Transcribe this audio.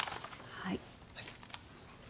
はい。